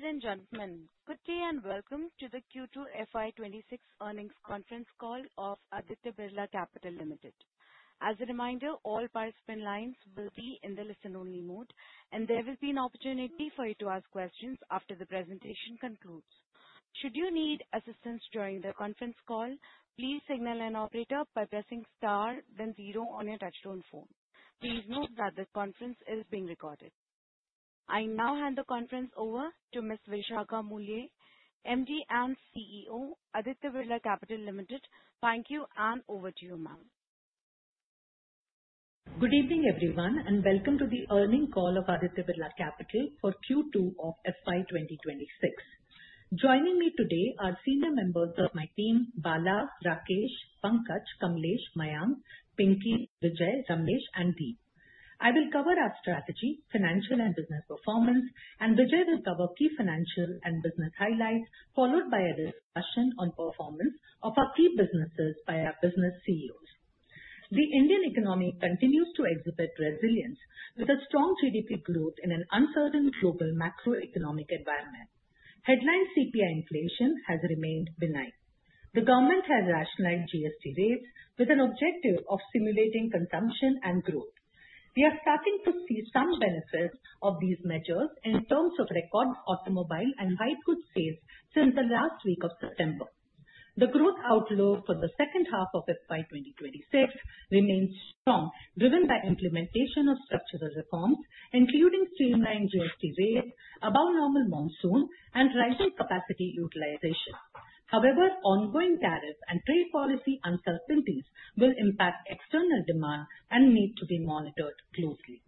Ladies and gentlemen, good day and Welcome to the Q2 FY26 Earnings Conference Call of Aditya Birla Capital Limited. As a reminder, all participant lines will be in the listen-only mode, and there will be an opportunity for you to ask questions after the presentation concludes. Should you need assistance during the Conference Call, please signal an operator by pressing star, then zero on your touch-tone phone. Please note that the conference is being recorded. I now hand the conference over to Ms. Vishakha Mulye, MD and CEO, Aditya Birla Capital Limited. Thank you, and over to you, ma'am. Good evening, everyone, and welcome to the earnings call of Aditya Birla Capital for Q2 of FY2026. Joining me today are senior members of my team: Bala, Rakesh, Pankaj, Kamlesh, Mayank, Pinky, Vijay, Ramesh, and Deep. I will cover our strategy, financial and business performance, and Vijay will cover key financial and business highlights, followed by a discussion on performance of our key businesses by our business CEOs. The Indian economy continues to exhibit resilience, with a strong GDP growth in an uncertain global macroeconomic environment. Headline CPI inflation has remained benign. The government has rationalized GST rates, with an objective of stimulating consumption and growth. We are starting to see some benefits of these measures in terms of record automobile and light goods sales since the last week of September. The growth outlook for the second half of FY 2026 remains strong, driven by implementation of structural reforms, including streamlined GST rates, above-normal monsoon, and rising capacity utilization. However, ongoing tariff and trade policy uncertainties will impact external demand and need to be monitored closely.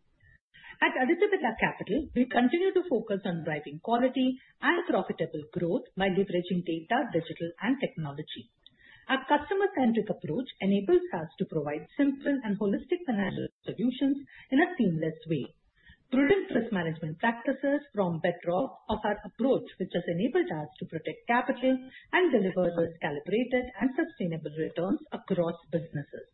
At Aditya Birla Capital, we continue to focus on driving quality and profitable growth by leveraging data, digital, and technology. Our customer-centric approach enables us to provide simple and holistic financial solutions in a seamless way. Prudent risk management practices form the bedrock of our approach have enabled us to protect capital and deliver risk-calibrated and sustainable returns across businesses.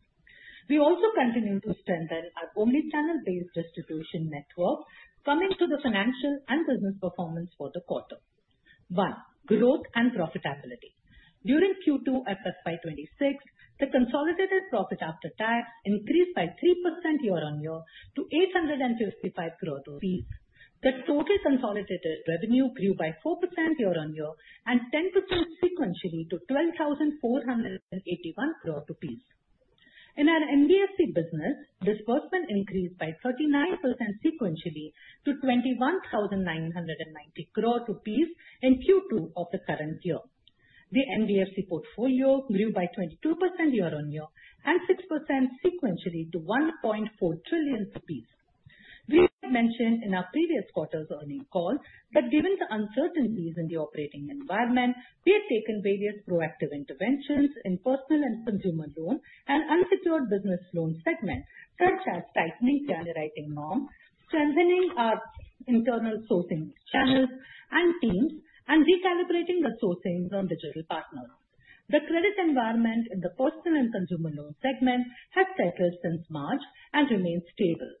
We also continue to strengthen our omnichannel-based distribution network, coming to the financial and business performance for the quarter. One, growth and profitability. During Q2 of FY 2026, the consolidated profit after tax increased by 3% year-on-year to 855 crore rupees. The total consolidated revenue grew by 4% year-on-year and 10% sequentially to INR 12,481 crore. In our NBFC business, disbursement increased by 39% sequentially to 21,990 crore rupees in Q2 of the current year. The NBFC portfolio grew by 22% year-on-year and 6% sequentially to 1.4 trillion rupees. We had mentioned in our previous quarter's earnings call that given the uncertainties in the operating environment, we had taken various proactive interventions in personal and consumer loan and unsecured business loan segments, such as tightening the underwriting norm, strengthening our internal sourcing channels and teams, and recalibrating the sourcing from digital partners. The credit environment in the personal and consumer loan segment has settled since March and remains stable.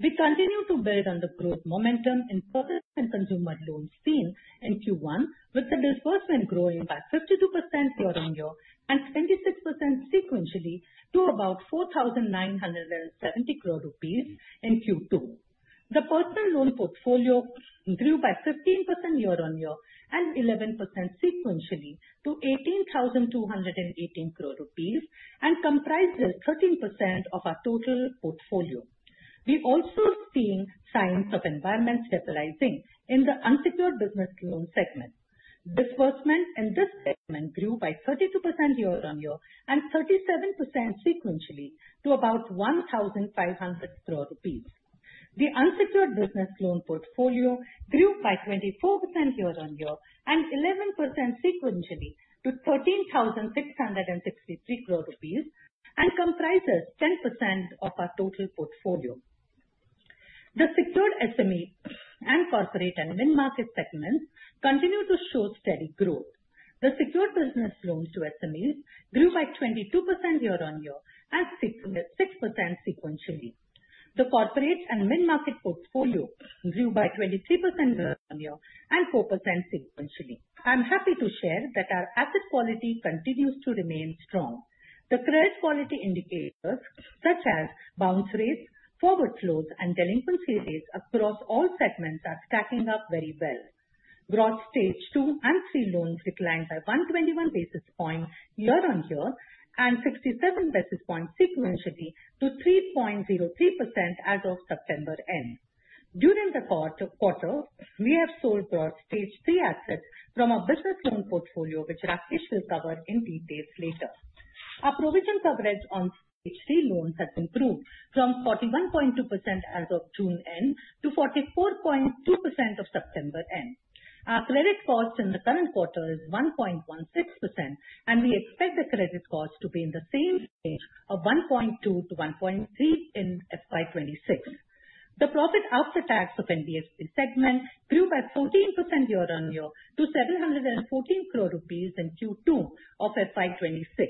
We continue to build on the growth momentum in personal and consumer loan spend in Q1, with the disbursement growing by 52% year-on-year and 26% sequentially to about 4,970 crore rupees in Q2. The personal loan portfolio grew by 15% year-on-year and 11% sequentially to 18,218 crore rupees and comprises 13% of our total portfolio. We are also seeing signs of environment stabilizing in the unsecured business loan segment. Disbursement in this segment grew by 32% year-on-year and 37% sequentially to about 1,500 crore rupees. The unsecured business loan portfolio grew by 24% year-on-year and 11% sequentially to 13,663 crore rupees and comprises 10% of our total portfolio. The secured SME and corporate and mid-market segments continue to show steady growth. The secured business loans to SMEs grew by 22% year-on-year and 6% sequentially. The corporate and mid-market portfolio grew by 23% year-on-year and 4% sequentially. I'm happy to share that our asset quality continues to remain strong. The credit quality indicators, such as bounce rates, forward flows, and delinquency rates across all segments, are stacking up very well. Gross Stage II and III loans declined by 121 basis points year-on-year and 67 basis points sequentially to 3.03% as of September end. During the quarter, we have sold Gross Stage III assets from our business loan portfolio, which Rakesh will cover in detail later. Our provision coverage on Stage III loans has improved from 41.2% as of June end to 44.2% as of September end. Our credit cost in the current quarter is 1.16%, and we expect the credit cost to be in the same range of 1.2%-1.3% in FY26. The profit after tax of NBFC segment grew by 14% year-on-year to 714 crore rupees in Q2 of FY26.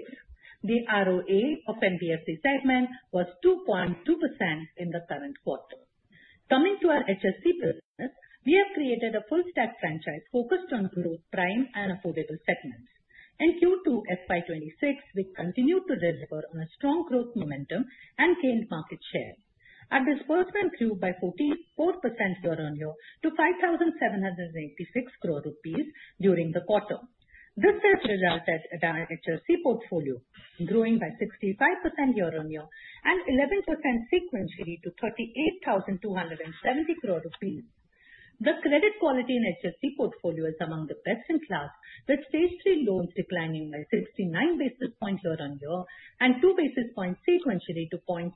The ROA of NBFC segment was 2.2% in the current quarter. Coming to our HFC business, we have created a full-stack franchise focused on growth, prime, and affordable segments. In Q2 FY26, we continued to deliver on a strong growth momentum and gained market share. Our disbursement grew by 44% year-on-year to 5,786 crore rupees during the quarter. This has resulted in our HFC portfolio growing by 65% year-on-year and 11% sequentially to 38,270 crore rupees. The credit quality in HFC portfolio is among the best in class, with Stage III loans declining by 69 basis points year-on-year and 2 basis points sequentially to 0.61%.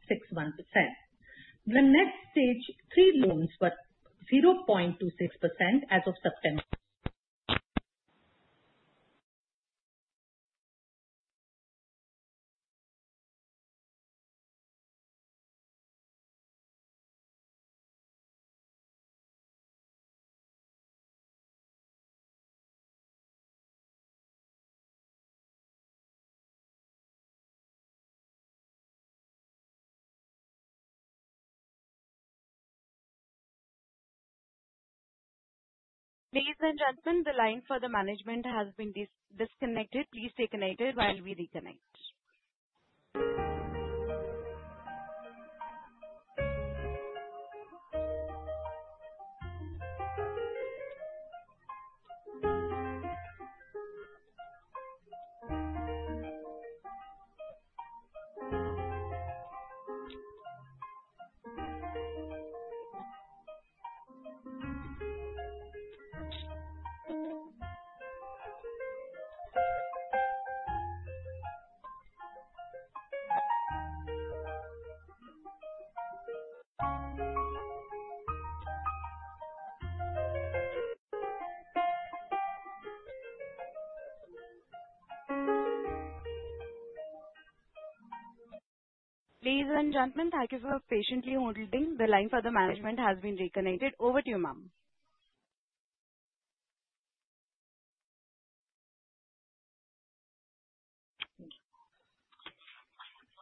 The net Stage III loans were 0.26% as of September. Ladies and gentlemen, the line for the management has been disconnected. Please stay connected while we reconnect. Ladies and gentlemen, thank you for patiently holding. The line for the management has been reconnected. Over to you, ma'am.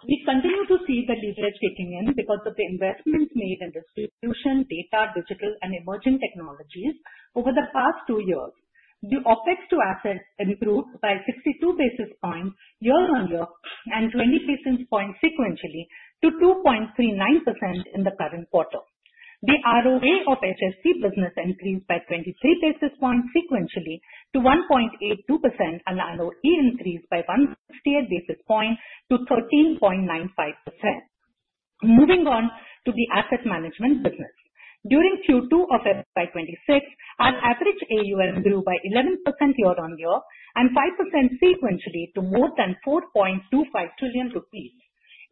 We continue to see the leverage kicking in because of the investments made in distribution, data, digital, and emerging technologies over the past two years. The OPEX to assets improved by 62 basis points year-on-year and 20 basis points sequentially to 2.39% in the current quarter. The ROA of HFC business increased by 23 basis points sequentially to 1.82%, and ROE increased by 168 basis points to 13.95%. Moving on to the asset management business. During Q2 of FY26, our average AUM grew by 11% year-on-year and 5% sequentially to more than 4.25 trillion rupees.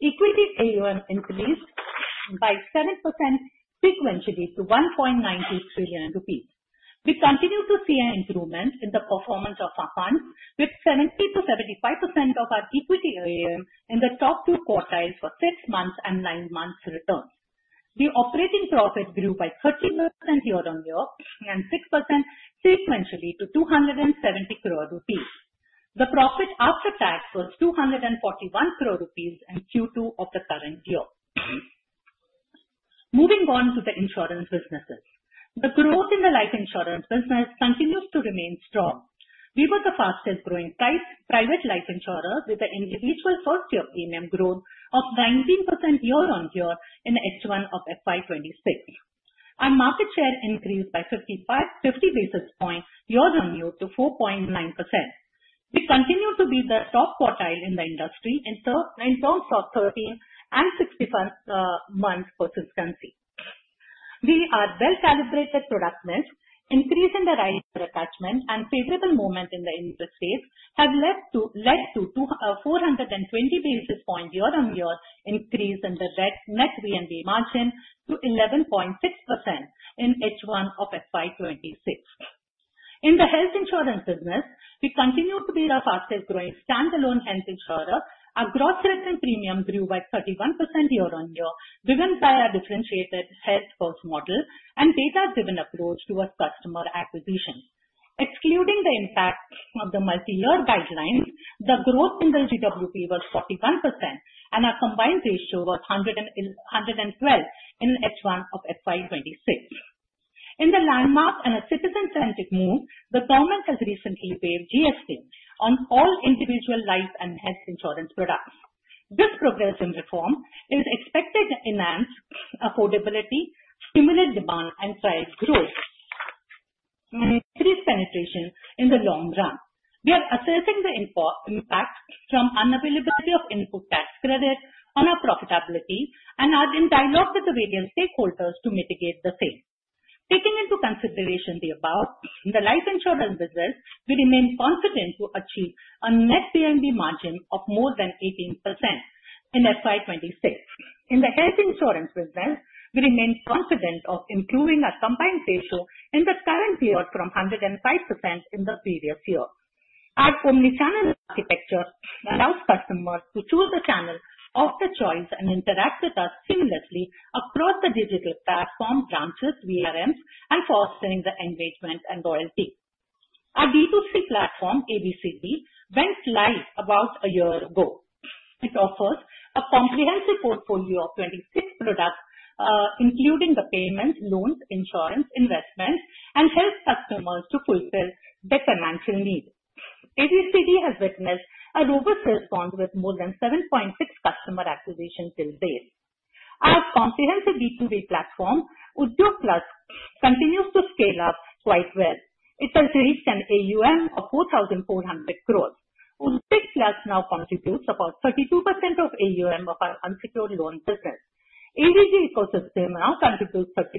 Equity AUM increased by 7% sequentially to INR 1.92 trillion. We continue to see an improvement in the performance of our funds, with 70%-75% of our equity AUM in the top two quartiles for six months and nine months' returns. The operating profit grew by 32% year-on-year and 6% sequentially to 270 crore rupees. The profit after tax was 241 crore rupees in Q2 of the current year. Moving on to the insurance businesses. The growth in the life insurance business continues to remain strong. We were the fastest-growing private life insurer, with an individual first-year premium growth of 19% year-on-year in H1 of FY26. Our market share increased by 50 basis points year-on-year to 4.9%. We continue to be the top quartile in the industry in terms of 13 and 61 months' consistency. The well-calibrated product mix, increase in the right attachment, and favorable movement in the interest rates have led to 420 basis points year-on-year increase in the net VNB margin to 11.6% in H1 of FY26. In the health insurance business, we continue to be the fastest-growing standalone health insurer. Our gross retail premium grew by 31% year-on-year, driven by our differentiated health cost model and data-driven approach to our customer acquisition. Excluding the impact of the multi-year guidelines, the growth in the GWP was 41%, and our combined ratio was 112 in H1 of FY26. In a landmark and citizen-centric move, the government has recently waived GST on all individual life and health insurance products. This progressive reform is expected to enhance affordability, stimulate demand, and drive growth, and increase penetration in the long run. We are assessing the impact from unavailability of input tax credits on our profitability and are in dialogue with the various stakeholders to mitigate the same. Taking into consideration the above, in the life insurance business, we remain confident to achieve a net VNB margin of more than 18% in FY26. In the health insurance business, we remain confident of improving our combined ratio in the current year from 105% in the previous year. Our omnichannel architecture allows customers to choose the channel of their choice and interact with us seamlessly across the digital platform, branches, VRMs, and fostering the engagement and loyalty. Our D2C platform, ABCD, went live about a year ago. It offers a comprehensive portfolio of 26 products, including the payments, loans, insurance, investments, and helps customers to fulfill their financial needs. ABCD has witnessed a robust response with more than 7.6 customer acquisitions till date. Our comprehensive B2B platform, Udyog Plus, continues to scale up quite well. It has reached an AUM of 4,400 crores. Udyog Plus now contributes about 32% of AUM of our unsecured loan business. ABG Ecosystem now contributes 30%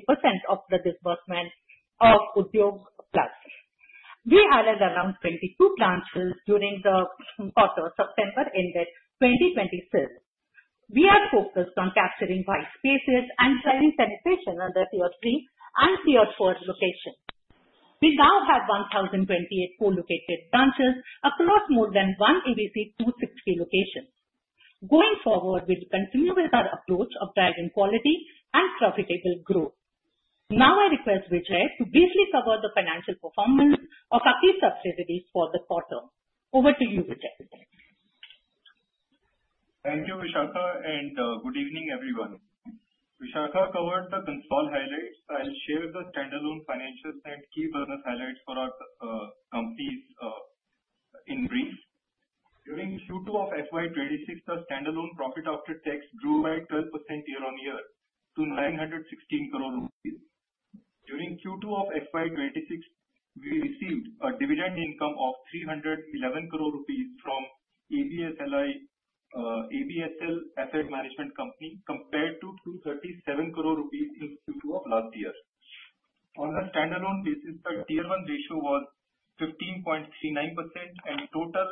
of the disbursement of Udyog Plus. We added around 22 branches during the quarter ended September 2025. We are focused on capturing white spaces and planning penetration under Tier III and Tier IV locations. We now have 1,028 co-located branches across more than 1,260 locations. Going forward, we will continue with our approach of driving quality and profitable growth. Now, I request Vijay to briefly cover the financial performance of key subsidiaries for the quarter. Over to you, Vijay. Thank you, Vishakha, and good evening, everyone. Vishakha covered the consult highlights. I'll share the standalone financials and key business highlights for our companies in brief. During Q2 of FY26, the standalone profit after tax grew by 12% year-on-year to 916 crore rupees. During Q2 of FY26, we received a dividend income of 311 crore rupees from ABSL AMC compared to 237 crore rupees in Q2 of last year. On a standalone basis, the Tier I ratio was 15.39%, and total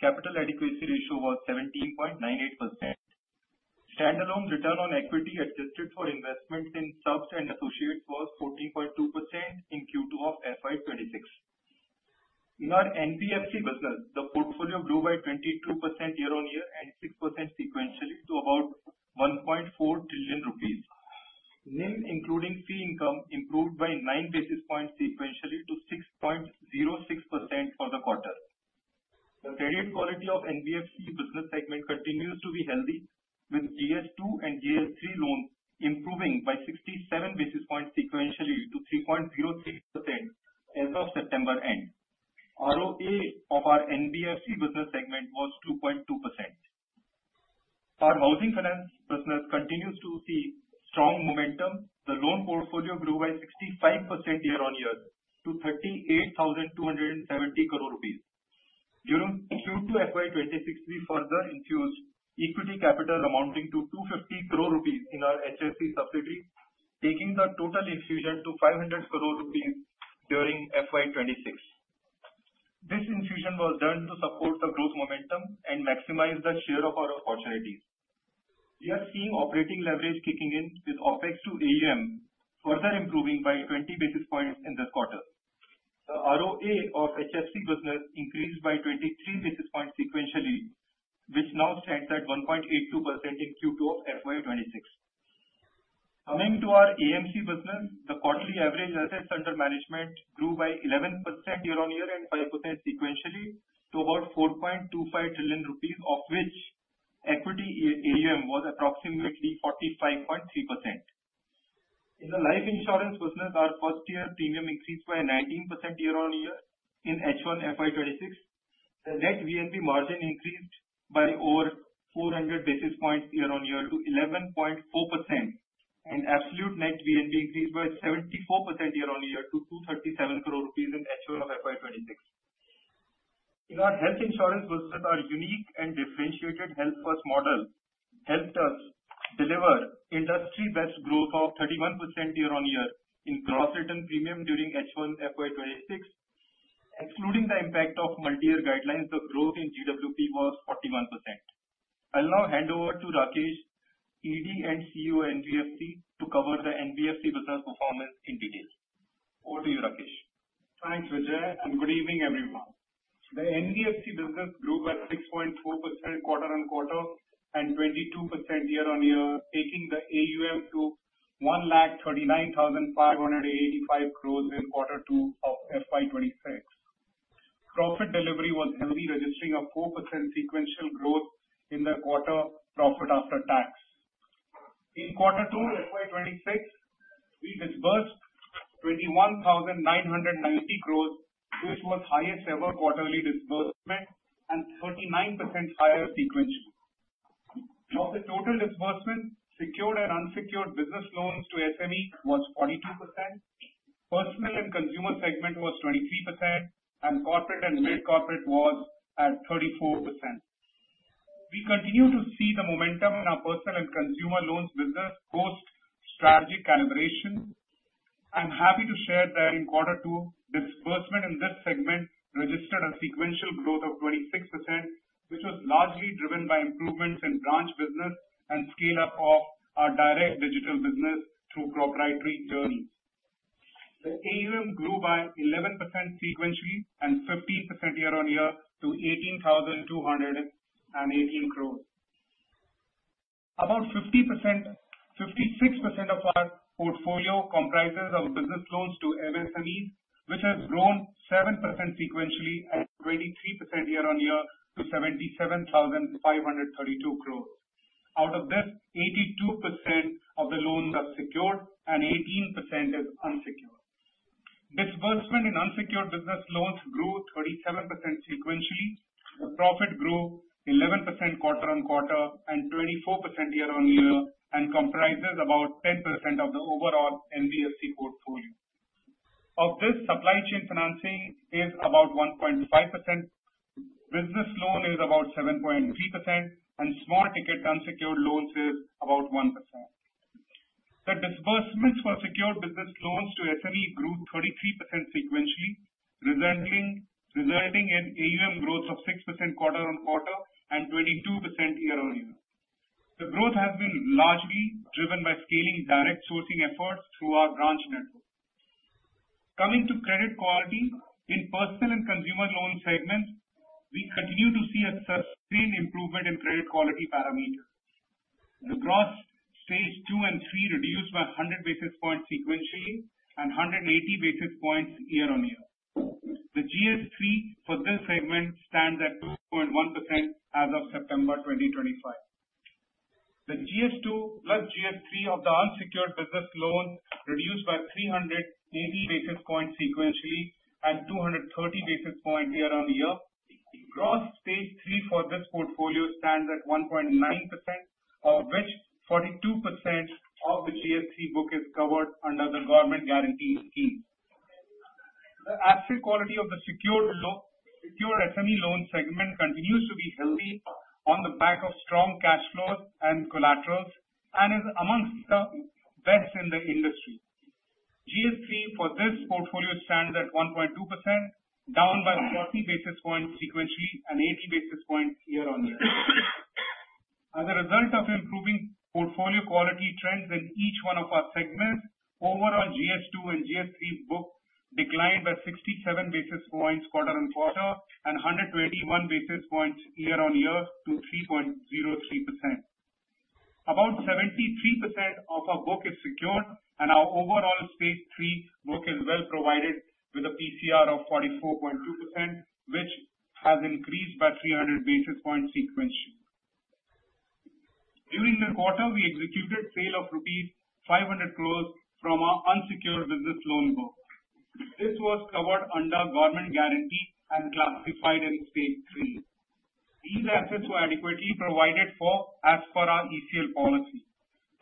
capital adequacy ratio was 17.98%. Standalone return on equity adjusted for investments in subs and associates was 14.2% in Q2 of FY26. In our NBFC business, the portfolio grew by 22% year-on-year and 6% sequentially to about 1.4 trillion rupees. NIM, including fee income, improved by 9 basis points sequentially to 6.06% for the quarter. The credit quality of NBFC business segment continues to be healthy, with GS2 and GS3 loans improving by 67 basis points sequentially to 3.03% as of September end. ROA of our NBFC business segment was 2.2%. Our housing finance business continues to see strong momentum. The loan portfolio grew by 65% year-on-year to 38,270 crore rupees. During Q2 FY26, we further infused equity capital amounting to 250 crore rupees in our HFC subsidiaries, taking the total infusion to 500 crore rupees during FY26. This infusion was done to support the growth momentum and maximize the share of our opportunities. We are seeing operating leverage kicking in, with OPEX to AUM further improving by 20 basis points in this quarter. The ROA of HFC business increased by 23 basis points sequentially, which now stands at 1.82% in Q2 of FY26. Coming to our AMC business, the quarterly average assets under management grew by 11% year-on-year and 5% sequentially to about 4.25 trillion rupees, of which equity AUM was approximately 45.3%. In the life insurance business, our first-year premium increased by 19% year-on-year in H1 FY26. The net VNB margin increased by over 400 basis points year-on-year to 11.4%, and absolute net VNB increased by 74% year-on-year to 237 crore rupees in H1 of FY26. In our health insurance business, our unique and differentiated health first model helped us deliver industry-best growth of 31% year-on-year in gross written premium during H1 FY26. Excluding the impact of multi-year guidelines, the growth in GWP was 41%. I'll now hand over to Rakesh, ED and CEO of NBFC, to cover the NBFC business performance in detail. Over to you, Rakesh. Thanks, Vijay. And good evening, everyone. The NBFC business grew by 6.4% quarter on quarter and 22% year-on-year, taking the AUM to 139,585 crores in Q2 of FY26. Profit delivery was hefty, registering a 4% sequential growth in the quarter profit after tax. In Q2 of FY26, we disbursed 21,990 crores, which was the highest-ever quarterly disbursement and 39% higher sequentially. Of the total disbursement, secured and unsecured business loans to SMEs was 42%, personal and consumer segment was 23%, and corporate and mid-corporate was at 34%. We continue to see the momentum in our personal and consumer loans business post-strategic calibration. I'm happy to share that in Q2, disbursement in this segment registered a sequential growth of 26%, which was largely driven by improvements in branch business and scale-up of our direct digital business through proprietary journeys. The AUM grew by 11% sequentially and 15% year-on-year to 18,218 crores. About 56% of our portfolio comprises of business loans to MSMEs, which has grown 7% sequentially and 23% year-on-year to 77,532 crores. Out of this, 82% of the loans are secured and 18% is unsecured. Disbursement in unsecured business loans grew 37% sequentially. The profit grew 11% quarter on quarter and 24% year-on-year and comprises about 10% of the overall NBFC portfolio. Of this, supply chain financing is about 1.5%, business loan is about 7.3%, and small ticket unsecured loans is about 1%. The disbursements for secured business loans to SMEs grew 33% sequentially, resulting in AUM growth of 6% quarter on quarter and 22% year-on-year. The growth has been largely driven by scaling direct sourcing efforts through our branch network. Coming to credit quality, in personal and consumer loan segments, we continue to see a sustained improvement in credit quality parameters. The gross stage two and three reduced by 100 basis points sequentially and 180 basis points year-on-year. The GS3 for this segment stands at 2.1% as of September 2025. The GS2 plus GS3 of the unsecured business loans reduced by 380 basis points sequentially and 230 basis points year-on-year. Gross stage three for this portfolio stands at 1.9%, of which 42% of the GS3 book is covered under the government guarantee scheme. The asset quality of the secured SME loan segment continues to be healthy on the back of strong cash flows and collaterals and is among the best in the industry. GS3 for this portfolio stands at 1.2%, down by 40 basis points sequentially and 80 basis points year-on-year. As a result of improving portfolio quality trends in each one of our segments, overall GS2 and GS3 book declined by 67 basis points quarter on quarter and 121 basis points year-on-year to 3.03%. About 73% of our book is secured, and our overall stage three book is well provided with a PCR of 44.2%, which has increased by 300 basis points sequentially. During the quarter, we executed sale of rupees 500 crores from our unsecured business loan book. This was covered under government guarantee and classified in stage three. These assets were adequately provided for as per our ECL policy.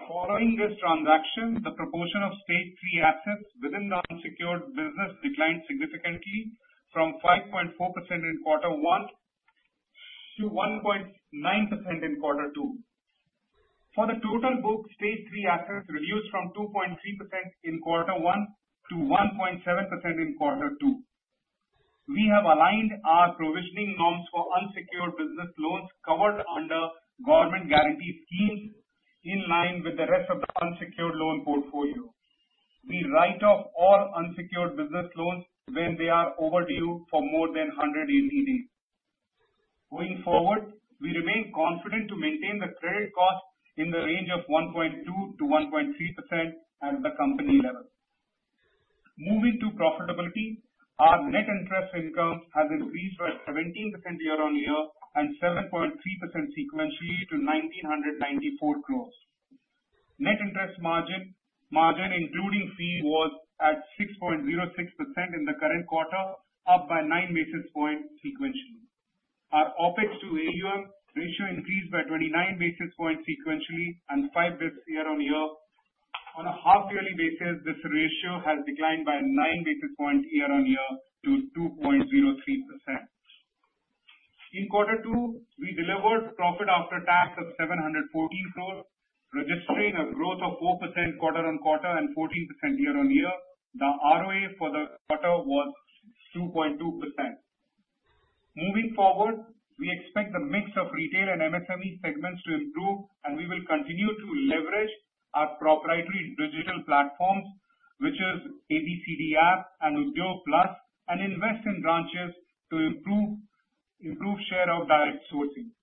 Following this transaction, the proportion of stage three assets within the unsecured business declined significantly from 5.4% in Q1 to 1.9% in Q2. For the total book, stage three assets reduced from 2.3% in Q1 to 1.7% in Q2. We have aligned our provisioning norms for unsecured business loans covered under government guarantee schemes in line with the rest of the unsecured loan portfolio. We write off all unsecured business loans when they are overdue for more than 180 days. Going forward, we remain confident to maintain the credit cost in the range of 1.2%-1.3% at the company level. Moving to profitability, our net interest income has increased by 17% year-on-year and 7.3% sequentially to 1,994 crores. Net interest margin, including fee, was at 6.06% in the current quarter, up by 9 basis points sequentially. Our OpEx to AUM ratio increased by 29 basis points sequentially and 5 basis points year-on-year. On a half-yearly basis, this ratio has declined by 9 basis points year-on-year to 2.03%. In Q2, we delivered profit after tax of 714 crores, registering a growth of 4% quarter on quarter and 14% year-on-year. The ROA for the quarter was 2.2%. Moving forward, we expect the mix of retail and MSME segments to improve, and we will continue to leverage our proprietary digital platforms, which are ABCD App and Udyog Plus, and invest in branches to improve share of direct sourcing.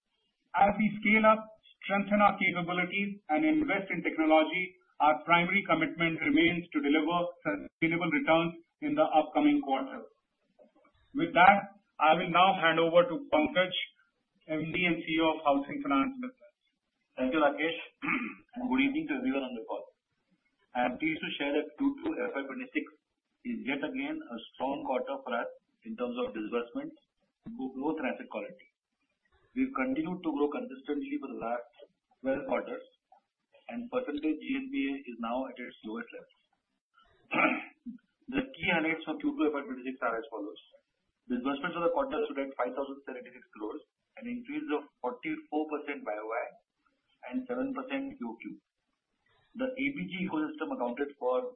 As we scale up, strengthen our capabilities, and invest in technology, our primary commitment remains to deliver sustainable returns in the upcoming quarter. With that, I will now hand over to Pankaj, MD and CEO of Housing Finance Business. Thank you, Rakesh, and good evening to everyone on the call. I am pleased to share that Q2 FY26 is yet again a strong quarter for us in terms of disbursement, growth, and asset quality. We've continued to grow consistently for the last 12 quarters, and percentage GNPA is now at its lowest level. The key highlights for Q2 FY26 are as follows: disbursement for the quarter stood at 5,076 crores, an increase of 44% by YoY and 7% QoQ. The ABG ecosystem accounted for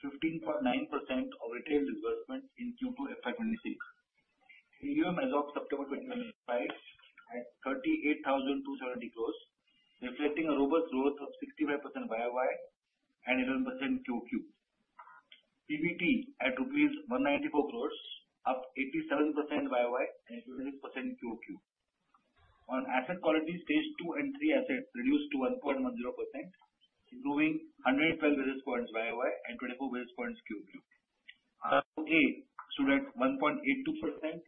15.9% of retail disbursement in Q2 FY26. AUM as of September 2025 at 38,270 crores, reflecting a robust growth of 65% by YoY and 11% QoQ. PBT at Rs. 194 crores, up 87% by YoY and 26% QoQ. On asset quality, stage two and three assets reduced to 1.10%, improving 112 basis points by YoY and 24 basis points QoQ. ROA stood at 1.82%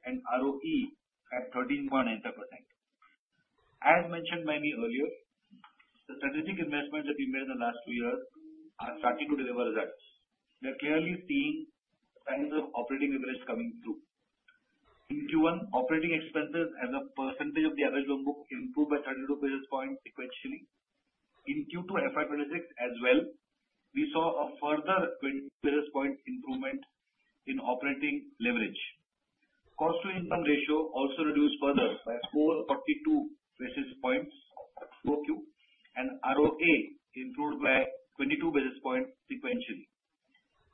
and ROE at 13.95%. As mentioned by me earlier, the strategic investments that we made in the last two years are starting to deliver results. We are clearly seeing signs of operating leverage coming through. In Q1, operating expenses as a percentage of the average loan book improved by 32 basis points sequentially. In Q2 FY26 as well, we saw a further 20 basis points improvement in operating leverage. Cost-to-income ratio also reduced further by 442 basis points QoQ, and ROA improved by 22 basis points sequentially.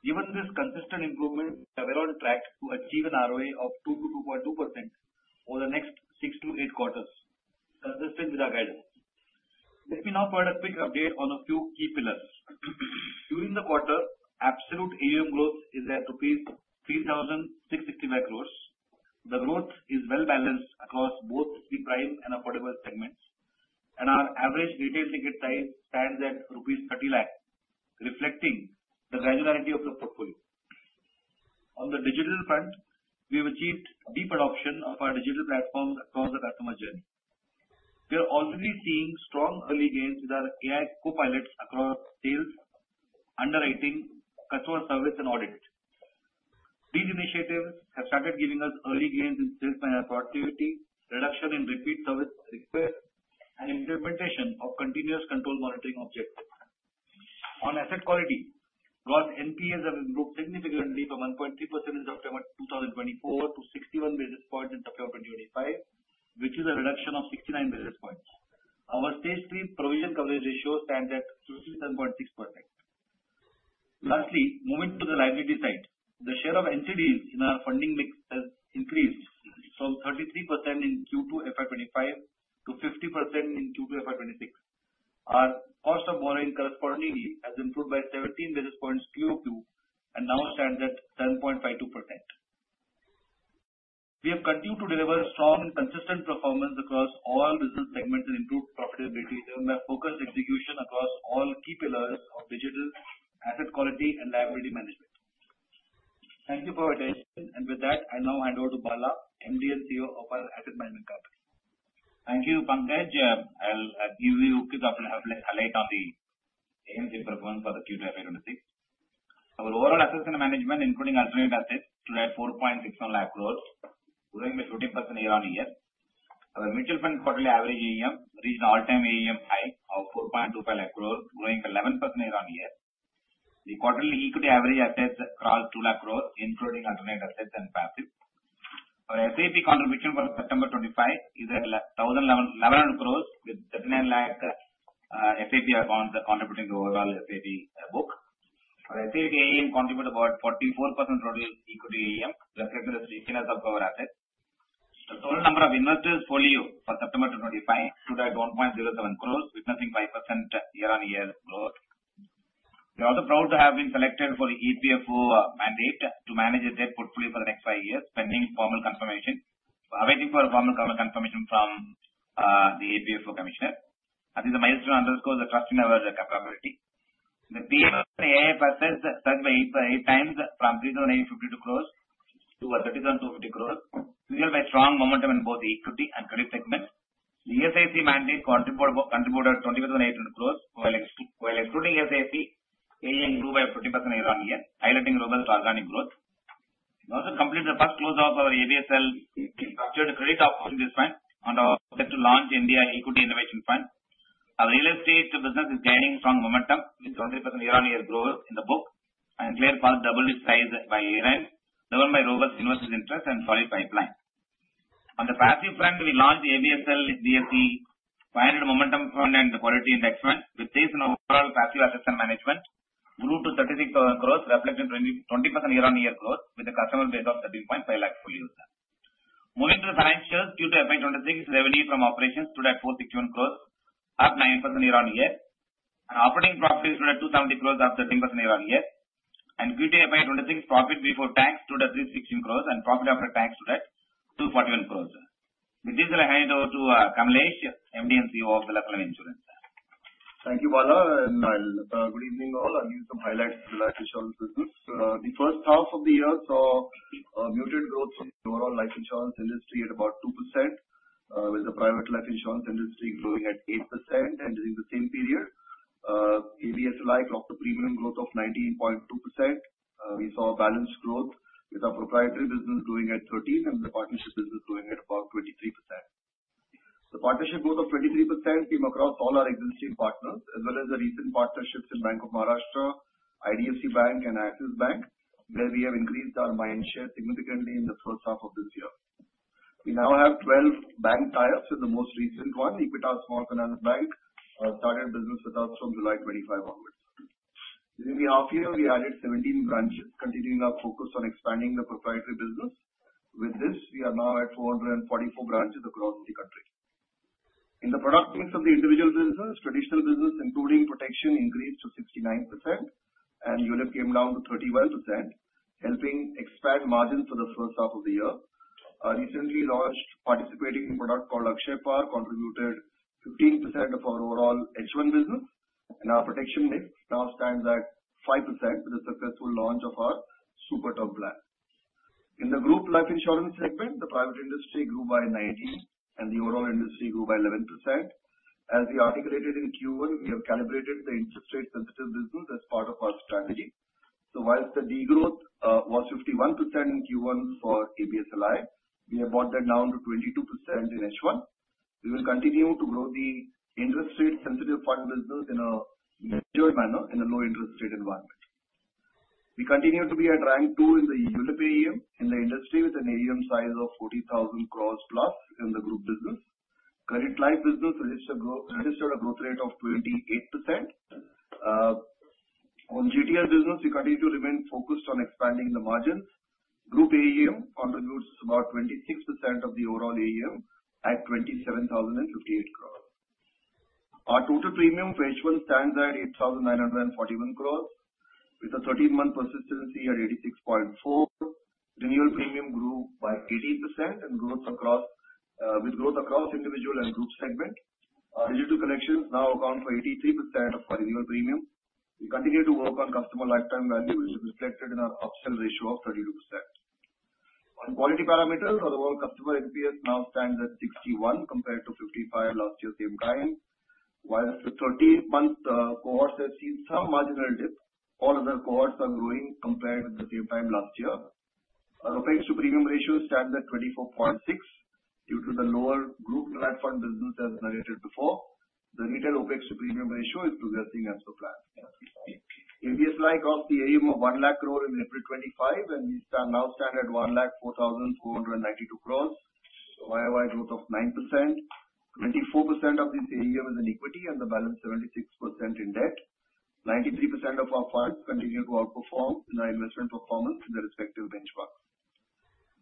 Given this consistent improvement, we are well on track to achieve an ROA of 2%-2.2% over the next six to eight quarters, consistent with our guidance. Let me now provide a quick update on a few key pillars. During the quarter, absolute AUM growth is at rupees 3,665 crores. The growth is well balanced across both the prime and affordable segments, and our average retail ticket size stands at rupees 30 lakhs, reflecting the granularity of the portfolio. On the digital front, we have achieved deep adoption of our digital platforms across the customer journey. We are already seeing strong early gains with our AI copilots across sales, underwriting, customer service, and audit. These initiatives have started giving us early gains in sales manager productivity, reduction in repeat service request, and implementation of continuous control monitoring objectives. On asset quality, gross NPAs have improved significantly from 1.3% in September 2024 to 61 basis points in September 2025, which is a reduction of 69 basis points. Our stage three provision coverage ratio stands at 57.6%. Lastly, moving to the liability side, the share of NCDs in our funding mix has increased from 33% in Q2 FY25 to 50% in Q2 FY26. Our cost of borrowing correspondingly has improved by 17 basis points QQ and now stands at 7.52%. We have continued to deliver strong and consistent performance across all business segments and improved profitability through my focused execution across all key pillars of digital asset quality and liability management. Thank you for your attention. With that, I now hand over to Bala, MD and CEO of our asset management company. Thank you, Pankaj. I'll give you a quick update on the AMC performance for the Q2 FY26. Our overall Assets Under Management, including alternative assets, stood at 4.61 lakh crores, growing by 15% year-on-year. Our mutual fund quarterly average AUM reached an all-time AUM high of 4.25 lakh crores, growing by 11% year-on-year. The quarterly equity average assets across 2 lakh crores, including alternative assets and passive. Our SIP contribution for September 25 is at 1,100 crores, with 39 lakh SIP accounts contributing to overall SIP book. Our SIP AUM contributed about 44% total equity AUM, reflecting the richness of our assets. The total number of investors for September 2025 stood at 1.07 crores, witnessing 5% year-on-year growth. We are also proud to have been selected for the EPFO mandate to manage a debt portfolio for the next five years, pending formal confirmation. We are awaiting formal confirmation from the EPFO Commissioner. At this milestone, it underscores the trust in our capability. The PMS and AIF assets surged by 8 times from 3,852 crores to 3,750 crores, fueled by strong momentum in both equity and credit segments. The ESIC mandate contributed INR 25.8 crores. While excluding SIP, AUM grew by 50% year-on-year, highlighting robust organic growth. We also completed the first close of our ABSL structured credit outcome investment under our objective to launch India Equity Innovation Fund. Our real estate business is gaining strong momentum with 20% year-on-year growth in the book and clear path double its size by year-end, driven by robust investors' interest and solid pipeline. On the passive front, we launched ABSL BSE, pioneered momentum fund and quality index fund, with this and overall passive assets and management grew to 36,000 crores, reflecting 20% year-on-year growth with a customer base of 13.5 lakh full users. Moving to the financials, Q2 FY26 revenue from operations stood at 461 crores, up 9% year-on-year. Operating profit stood at 270 crores, up 13% year-on-year. And Q2 FY26 profit before tax stood at 316 crores, and profit after tax stood at 241 crores. With this, I'll hand it over to Kamlesh Rao, MD and CEO of Aditya Birla Sun Life Insurance. Thank you, Bala. Good evening, all. I'll give some highlights of the life insurance business. The first half of the year saw muted growth in the overall life insurance industry at about 2%, with the private life insurance industry growing at 8%. During the same period, ABSL clocked a premium growth of 19.2%. We saw balanced growth with our proprietary business growing at 13% and the partnership business growing at about 23%. The partnership growth of 23% came across all our existing partners, as well as the recent partnerships in Bank of Maharashtra, IDFC Bank, and Axis Bank, where we have increased our mind share significantly in the first half of this year. We now have 12 bank ties, with the most recent one, Equitas Small Finance Bank, started business with us from July 25 onwards. During the half year, we added 17 branches, continuing our focus on expanding the proprietary business. With this, we are now at 444 branches across the country. In the product mix of the individual business, traditional business, including protection, increased to 69%, and ULIP came down to 31%, helping expand margins for the first half of the year. Our recently launched participating product called Akshaya Plan contributed 15% of our overall H1 business, and our protection mix now stands at 5% with the successful launch of our Super Term Plan. In the group life insurance segment, the private industry grew by 19%, and the overall industry grew by 11%. As we articulated in Q1, we have calibrated the interest rate sensitive business as part of our strategy. So while the degrowth was 51% in Q1 for ABSLI, we have brought that down to 22% in H1. We will continue to grow the interest rate sensitive fund business in a mature manner in a low interest rate environment. We continue to be at rank two in the ULIP AUM in the industry with an AUM size of 40,000 crores plus in the group business. Current life business registered a growth rate of 28%. On GTL business, we continue to remain focused on expanding the margins. Group AUM contributes about 26% of the overall AUM at 27,058 crores. Our total premium for H1 stands at 8,941 crores, with a 13-month persistency at 86.4%. Renewal premium grew by 18%, with growth across individual and group segment. Our digital connections now account for 83% of our renewal premium. We continue to work on customer lifetime value, which is reflected in our upsell ratio of 32%. On quality parameters, our overall customer NPS now stands at 61 compared to 55 last year's same time. While the 13-month cohorts have seen some marginal dip, all other cohorts are growing compared with the same time last year. Our OPEX to premium ratio stands at 24.6% due to the lower group private fund business as narrated before. The retail OPEX to premium ratio is progressing as per plan. ABSL crossed the AUM of 1 lakh crores in April 2025, and we now stand at 1,04,292 crores, YOY growth of 9%. 24% of this AUM is in equity, and the balance is 76% in debt. 93% of our funds continue to outperform in our investment performance in the respective benchmarks.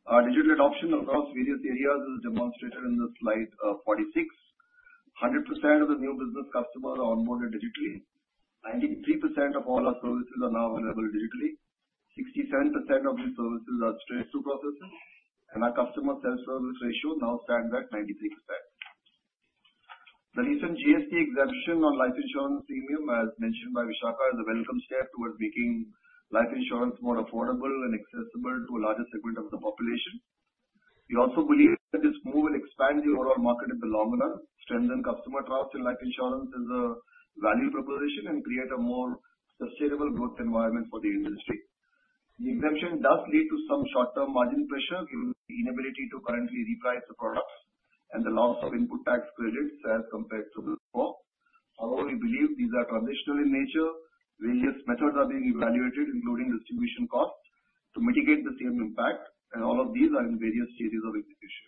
Our digital adoption across various areas is demonstrated in slide 46. 100% of the new business customers are onboarded digitally. 93% of all our services are now available digitally. 67% of these services are straight-to processes, and our customer self-service ratio now stands at 93%. The recent GST exemption on life insurance premium, as mentioned by Vishakha, is a welcome step towards making life insurance more affordable and accessible to a larger segment of the population. We also believe that this move will expand the overall market in the long run, strengthen customer trust in life insurance as a value proposition, and create a more sustainable growth environment for the industry. The exemption does lead to some short-term margin pressure, given the inability to currently reprice the products and the loss of input tax credits as compared to before. However, we believe these are transitional in nature. Various methods are being evaluated, including distribution costs, to mitigate the same impact, and all of these are in various stages of execution.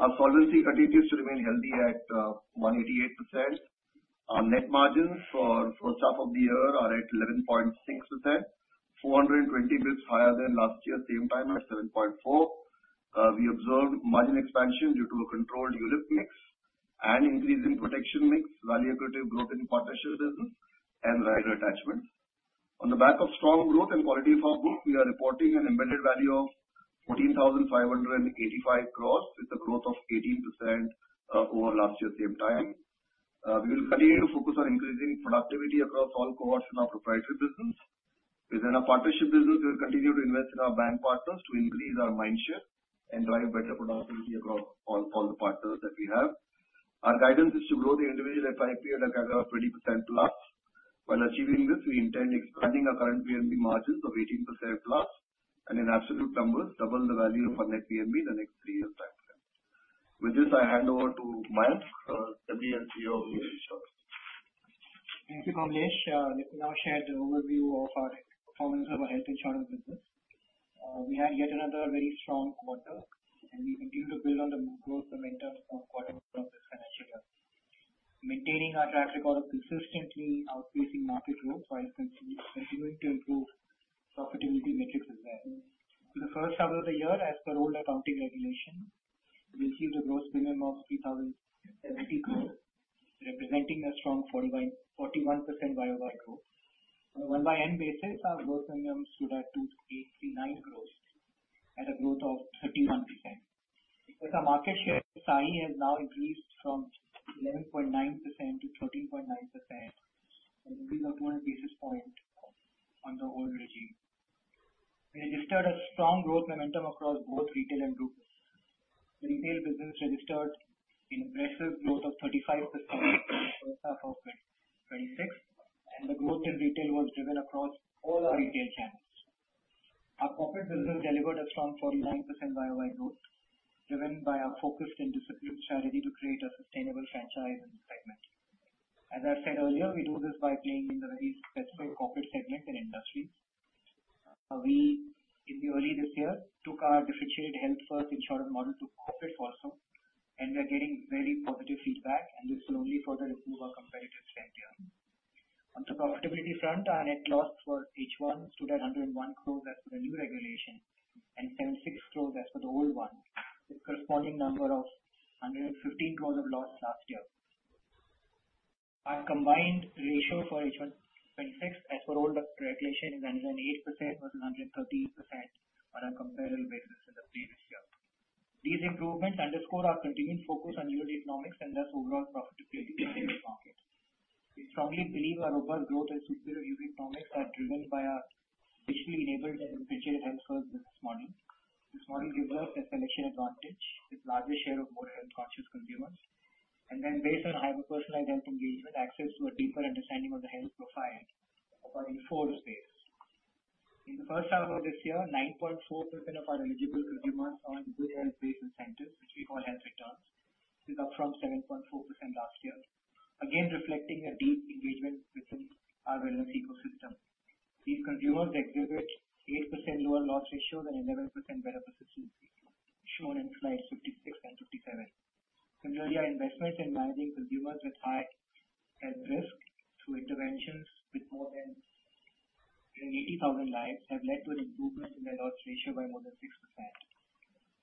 Our solvency continues to remain healthy at 188%. Our net margins for the first half of the year are at 11.6%, 420 basis points higher than last year's same time at 7.4%. We observed margin expansion due to a controlled ULIP mix and increase in protection mix, value equity growth in partnership business, and rider attachments. On the back of strong growth and quality of our book, we are reporting an embedded value of 14,585 crores with a growth of 18% over last year's same time. We will continue to focus on increasing productivity across all cohorts in our proprietary business. Within our partnership business, we will continue to invest in our bank partners to increase our mind share and drive better productivity across all the partners that we have. Our guidance is to grow the individual FIP at a figure of 20% plus. While achieving this, we intend expanding our current VNB margins of 18% plus and, in absolute numbers, double the value of our net VNB in the next three years' time frame. With this, I hand over to Mayank, MD and CEO of Health Insurance. Thank you, Kamlesh. This now shares the overview of our performance of our health insurance business. We had yet another very strong quarter, and we continue to build on the growth momentum of Q1 of this financial year, maintaining our track record of consistently outpacing market growth while continuing to improve profitability metrics as well. For the first half of the year, as per old accounting regulation, we achieved a gross premium of 3,070 crores, representing a strong 41% YOY growth. On a YoY basis, our gross premiums stood at 239 crores at a growth of 31%. With our market share, standalone has now increased from 11.9% to 13.9%, an increase of 200 basis points on the old regime. We registered a strong growth momentum across both retail and group business. The retail business registered an impressive growth of 35% in the first half of 2026, and the growth in retail was driven across all our retail channels. Our corporate business delivered a strong 49% YOY growth, driven by our focused and disciplined strategy to create a sustainable franchise in this segment. As I've said earlier, we do this by playing in the very specific corporate segment and industry. We, in early this year, took our differentiated health-first insurance model to corporate also, and we are getting very positive feedback, and this will only further improve our competitive strength here. On the profitability front, our net loss for H1 stood at 101 crores as per the new regulation and 76 crores as per the old one, with a corresponding number of 115 crores of loss last year. Our combined ratio for H1 26, as per old regulation, is under 8% versus 113% on a comparable basis in the previous year. These improvements underscore our continued focus on ULIP economics and thus overall profitability in the market. We strongly believe our robust growth and superior ULIP economics are driven by our digitally enabled and differentiated health-first business model. This model gives us a selection advantage with a larger share of more health-conscious consumers, and then, based on hyper-personalized health engagement, access to a deeper understanding of the health profile of our informed space. In the first half of this year, 9.4% of our eligible consumers earn good health-based incentives, which we call health returns. This is up from 7.4% last year, again reflecting a deep engagement within our wellness ecosystem. These consumers exhibit an 8% lower loss ratio than an 11% better persistency shown in slides 56 and 57. Similarly, our investments in managing consumers with high health risk through interventions with more than 80,000 lives have led to an improvement in their loss ratio by more than 6%.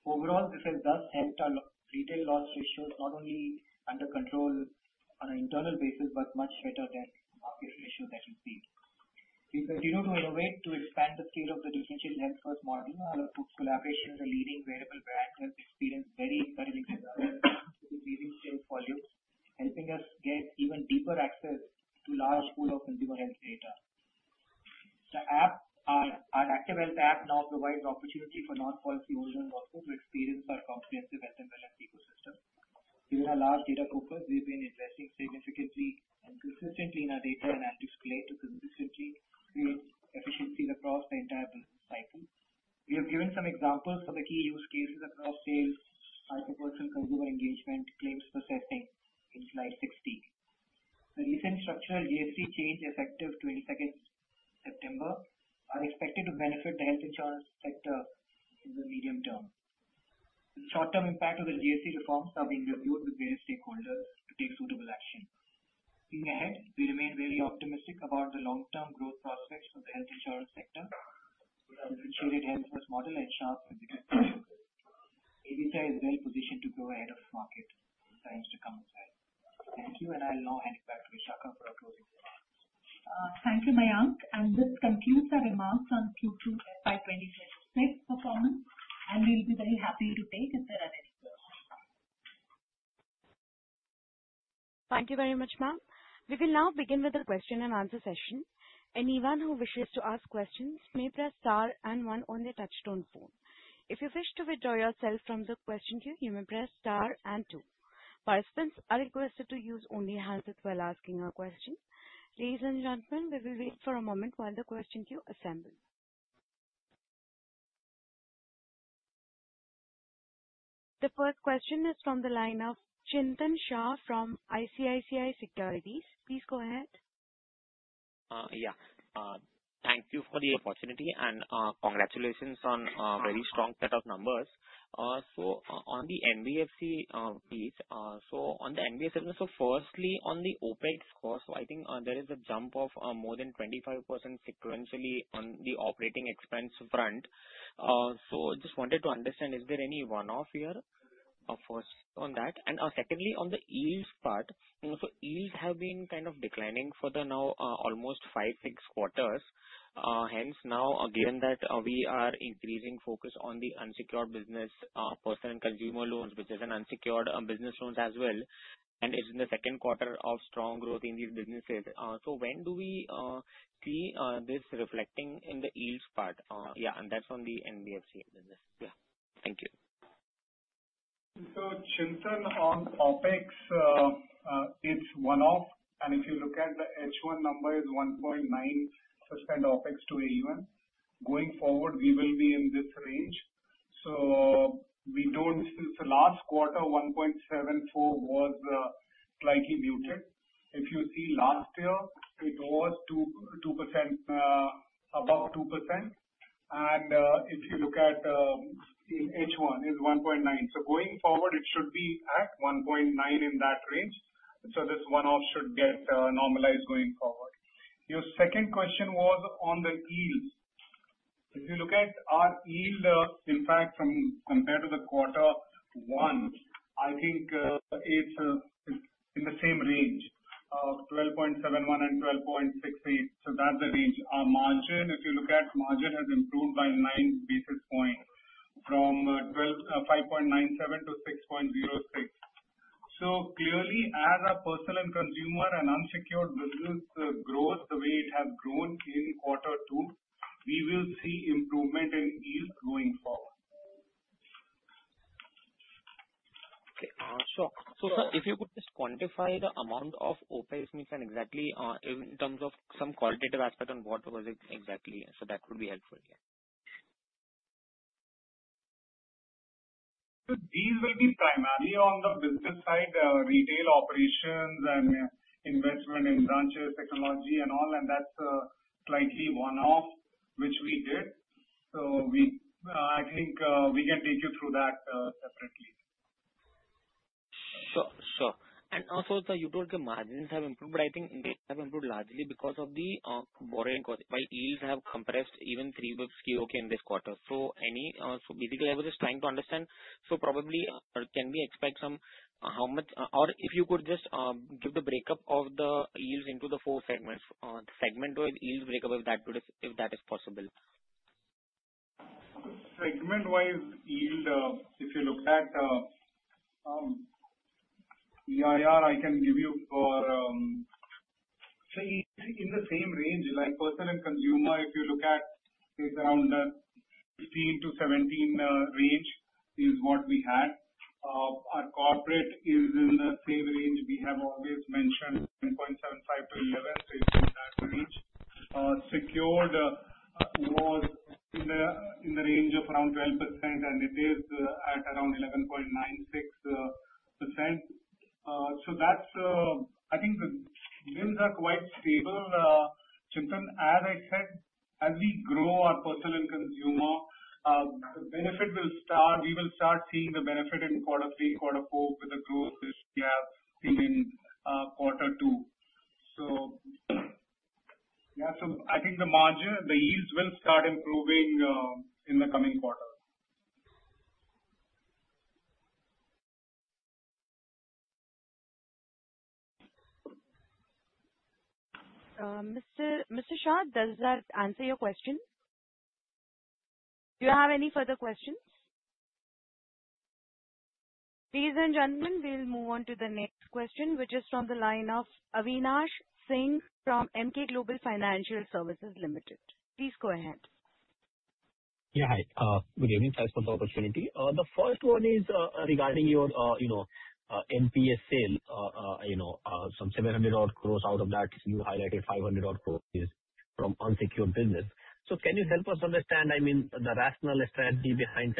Overall, this has thus helped our retail loss ratios not only under control on an internal basis but much better than the market ratio that we see. We continue to innovate to expand the scale of the differentiated health-first model, while our collaboration with a leading wearable brand has experienced very encouraging results with increasing sales volumes, helping us get even deeper access to a large pool of consumer health data. The app, our Activ Health app, now provides opportunity for non-policy holders also to experience our comprehensive health and wellness ecosystem. Within our large data corpus, we have been investing significantly and consistently in our data analytics play to consistently create efficiencies across the entire business cycle. We have given some examples of the key use cases across sales, hyper-personal consumer engagement, claims processing in slide 60. The recent structural GST change, effective 22nd September, is expected to benefit the health insurance sector in the medium term. The short-term impact of the GST reforms is being reviewed with various stakeholders to take suitable action. Looking ahead, we remain very optimistic about the long-term growth prospects of the health insurance sector with our differentiated health-first model and sharp competition. ABSL is well positioned to grow ahead of the market in times to come as well. Thank you, and I'll now hand it back to Vishakha for a closing statement. Thank you, Mayank. This concludes our remarks on Q2 FY2026 performance, and we'll be very happy to take any questions. Thank you very much, ma'am. We will now begin with the question and answer session. Anyone who wishes to ask questions may press star and one on the touch-tone phone. If you wish to withdraw yourself from the question queue, you may press star and two. Participants are requested to use only handset while asking a question. Ladies and gentlemen, we will wait for a moment while the question queue assembles. The first question is from the line of Chintan Shah from ICICI Securities. Please go ahead. Yeah. Thank you for the opportunity, and congratulations on a very strong set of numbers. So on the NBFC piece, firstly, on the OpEx cost, so I think there is a jump of more than 25% sequentially on the operating expense front. I just wanted to understand, is there any one-off here? First on that. And secondly, on the yields part, yields have been kind of declining for now almost five, six quarters. Hence, now, given that we are increasing focus on the unsecured business, personal consumer loans, which is an unsecured business loan as well, and it's in the Q2 of strong growth in these businesses. When do we see this reflecting in the yields part? Yeah, and that's on the NBFC business. Yeah. Thank you. So Chintan, on OpEx, it's one-off. And if you look at the H1 number, it's 1.9% OpEx to AUM. Going forward, we will be in this range. So we don't see the last quarter, 1.74 was slightly muted. If you see last year, it was 2%, above 2%. And if you look at H1, it's 1.9. So going forward, it should be at 1.9 in that range. So this one-off should get normalized going forward. Your second question was on the yields. If you look at our yield, in fact, from compared to the Q1, I think it's in the same range, 12.71 and 12.68. So that's the range. Our margin, if you look at, margin has improved by 9 basis points from 5.97 to 6.06. Clearly, as our personal consumer and unsecured business grows the way it has grown in Q2, we will see improvement in yields going forward. Okay. Sure. So sir, if you could just quantify the amount of OpEx, meaning exactly in terms of some qualitative aspect on what was it exactly, so that would be helpful. Yeah. So these will be primarily on the business side, retail operations and investment in branches, technology, and all, and that's slightly one-off, which we did. So I think we can take you through that separately. Sure. And also, sir, you told the margins have improved, but I think they have improved largely because of the borrowing cost, while yields have compressed even three basis points okay in this quarter. So basically, I was just trying to understand, so probably can we expect some how much or if you could just give the breakup of the yields into the four segments, segment-wise yield breakup, if that is possible. Segment-wise yield, if you look at EIR, I can give you for so in the same range, like personal consumer, if you look at, it's around 15%-17% range is what we had. Our corporate is in the same range. We have always mentioned 10.75%-11%, so it's in that range. Secured was in the range of around 12%, and it is at around 11.96%. So I think the yields are quite stable. Chintan, as I said, as we grow our personal consumer, we will start seeing the benefit in Q3, Q4 with the growth we have seen in Q2. So yeah, so I think the margin, the yields will start improving in the coming quarter. Mr. Shah, does that answer your question? Do you have any further questions? Ladies and gentlemen, we'll move on to the next question, which is from the line of Avinash Singh from Emkay Global Financial Services Limited. Please go ahead. Yeah. Hi. Good evening. Thanks for the opportunity. The first one is regarding your NPS sale, some 700-odd crores out of that, you highlighted 500-odd crores from unsecured business. So can you help us understand, I mean, the rationale behind the strategy kind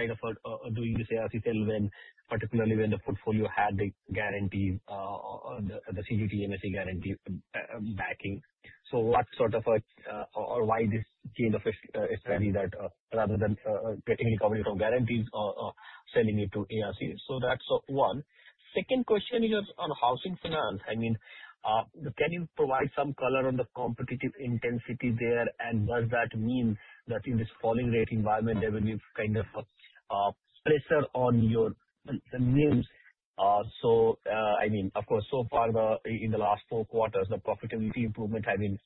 of doing this ARC sale when particularly when the portfolio had the guarantee, the CGTMSE guarantee backing? So what sort of a or why this kind of a strategy that rather than getting recovery from guarantees or selling it to ARC? So that's one. Second question is on housing finance. I mean, can you provide some color on the competitive intensity there, and does that mean that in this falling rate environment, there will be kind of pressure on your margins? So I mean, of course, so far in the last four quarters, the profitability improvements have been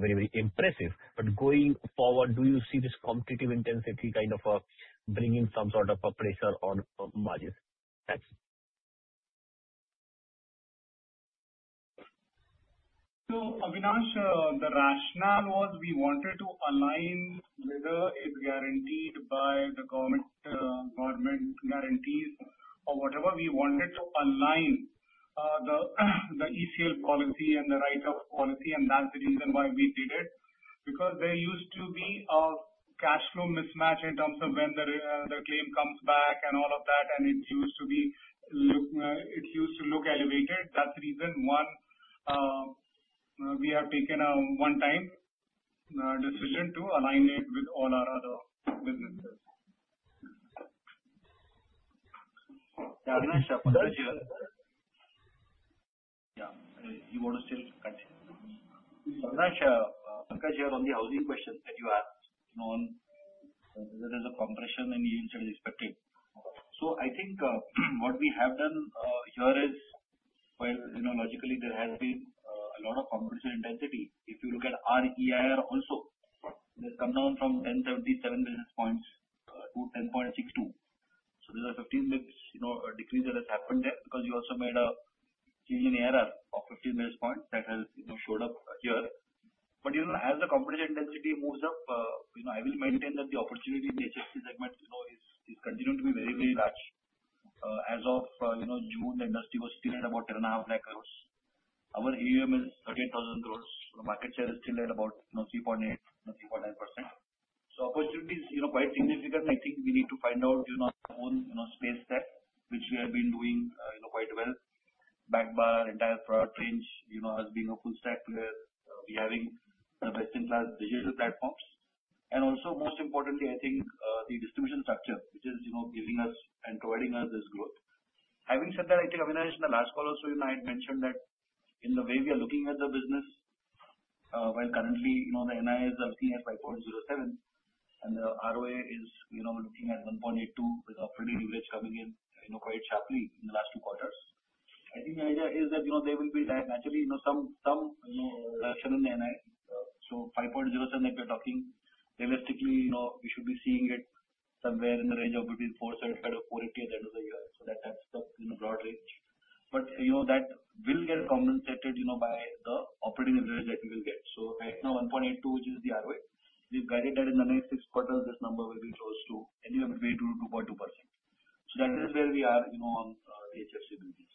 very, very impressive. But going forward, do you see this competitive intensity kind of bringing some sort of a pressure on margins? Thanks. Avinash, the rationale was we wanted to align whether it's guaranteed by the government guarantees or whatever. We wanted to align the ECL policy and the write-off policy, and that's the reason why we did it, because there used to be a cash flow mismatch in terms of when the claim comes back and all of that, and it used to look elevated. That's the reason. One, we have taken a one-time decision to align it with all our other businesses. Yeah. Avinash, your question? Yeah. You want to still continue? Avinash, Pankaj, here on the housing questions that you asked, there is a compression in yields that is expected. So I think what we have done here is, well, logically, there has been a lot of competition intensity. If you look at our EIR also, it has come down from 10.77 basis points to 10.62. So there's a 15 basis points decrease that has happened there because you also made a change in EIR of 15 basis points that has shown up here. But as the competition intensity moves up, I will maintain that the opportunity in the HFC segment is continuing to be very, very large. As of June, the industry was still at about 10.5 lakh crores. Our AUM is INR 38,000 crores. The market share is still at about 3.8-3.9%. So opportunity is quite significant. I think we need to find out our own space there, which we have been doing quite well. Backend, entire product range has been a full-stack player, we having the best-in-class digital platforms. And also, most importantly, I think the distribution structure, which is giving us and providing us this growth. Having said that, I think Avinash, in the last call also, I had mentioned that in the way we are looking at the business, while currently the NI is looking at 5.07% and the ROA is looking at 1.82% with a pretty leverage coming in quite sharply in the last two quarters. I think the idea is that there will be naturally some reduction in the NI, so 5.07% that we are talking, realistically, we should be seeing it somewhere in the range of between 4.75-4.80% at the end of the year. So that's the broad range. But that will get compensated by the operating leverage that we will get. So right now, 1.82, which is the ROA, we've guided that in the next six quarters, this number will be close to anywhere between 2%-2.2%. So that is where we are on the HFC business.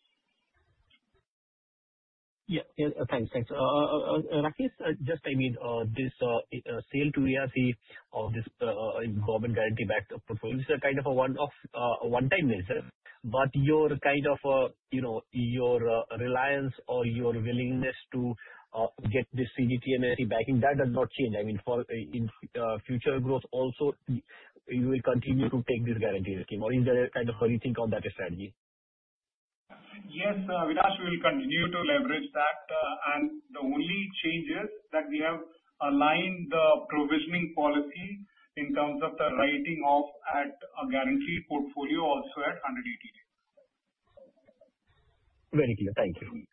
Yeah. Thanks. Thanks. Rakesh, just I mean, this sale to ARC or this government guarantee-backed portfolio, this is a kind of a one-off, one-time business. But your kind of your reliance or your willingness to get this CGTMSE backing, that does not change. I mean, for future growth also, you will continue to take this guarantee scheme, or is there a kind of hurried rethink on that strategy? Yes. Avinash, we will continue to leverage that. And the only change is that we have aligned the provisioning policy in terms of the writing off at a guaranteed portfolio also at 180 days. Very clear. Thank you.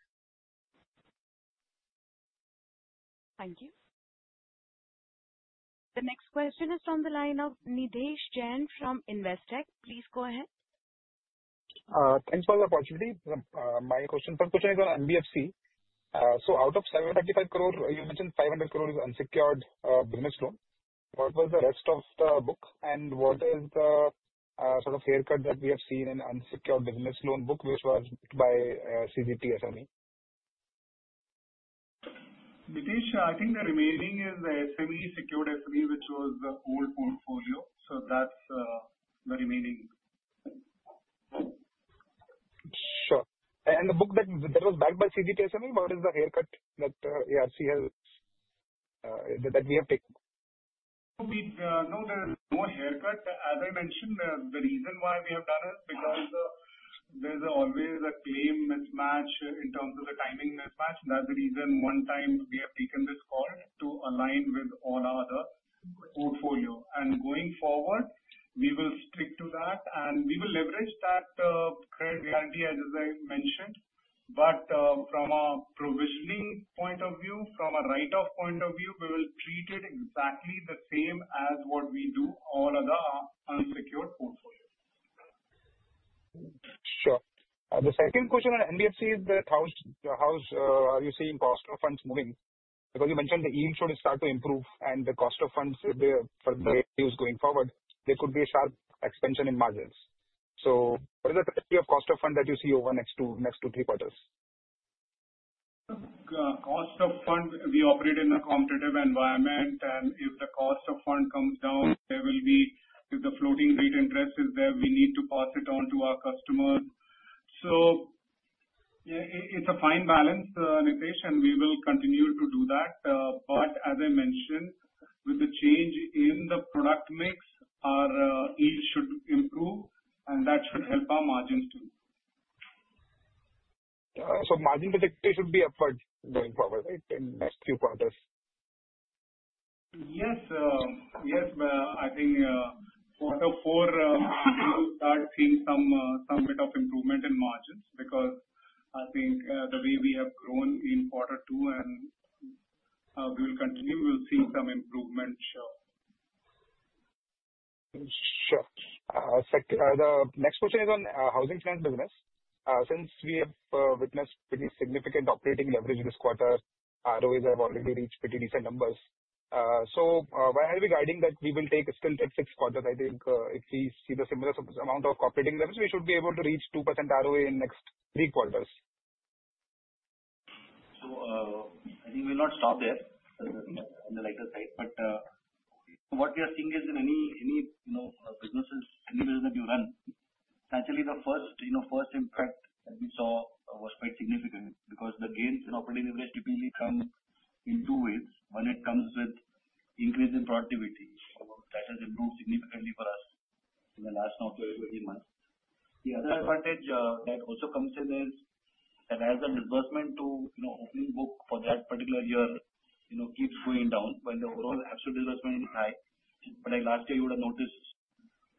Thank you. The next question is from the line of Nidhesh Jain from Investec. Please go ahead. Thanks for the opportunity. My question for NBFC. So out of 735 crores, you mentioned 500 crores is unsecured business loan. What was the rest of the book, and what is the sort of haircut that we have seen in unsecured business loan book, which was by CGTMSE? Nidhesh, I think the remaining is the SME, secured SME, which was the old portfolio. So that's the remaining. Sure. And the book that was backed by CGTMSE, what is the haircut that ARC has that we have taken? No, there is no haircut. As I mentioned, the reason why we have done it is because there's always a claim mismatch in terms of the timing mismatch. That's the reason one time we have taken this call to align with all other portfolio, and going forward, we will stick to that, and we will leverage that credit guarantee, as I mentioned. But from a provisioning point of view, from a write-off point of view, we will treat it exactly the same as what we do all other unsecured portfolio. Sure. The second question on NBFC is that how are you seeing cost of funds moving? Because you mentioned the yield should start to improve, and the cost of funds for the NBFCs going forward, there could be a sharp expansion in margins. So what is the trajectory of cost of funds that you see over next two to three quarters? Cost of fund, we operate in a competitive environment, and if the cost of fund comes down, there will be if the floating rate interest is there, we need to pass it on to our customers, so it's a fine balance, Nidhesh, and we will continue to do that, but as I mentioned, with the change in the product mix, our yield should improve, and that should help our margins too. So margin trajectory should be upward going forward, right, in the next few quarters? Yes. Yes. I think Q4, we will start seeing some bit of improvement in margins because I think the way we have grown in Q2, and we will continue, we'll see some improvement sure. Sure. The next question is on housing finance business. Since we have witnessed pretty significant operating leverage this quarter, ROAs have already reached pretty decent numbers. So why are we guiding that we will take still at FY26? I think if we see the similar amount of operating leverage, we should be able to reach 2% ROA in next Q3. So I think we'll not stop there on the latter side. But what we are seeing is in any businesses, any business that you run, naturally, the first impact that we saw was quite significant because the gains in operating leverage typically come in two ways. One, it comes with increase in productivity, that has improved significantly for us in the last 12 to 13 months. The other advantage that also comes in is that as the disbursement to opening book for that particular year keeps going down, when the overall absolute disbursement is high. But last year, you would have noticed